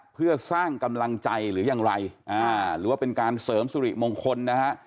เพื่อสร้างกำลังใจหรือยังไรหรือว่าเป็นการเสริมสุริมงคลนะฮะ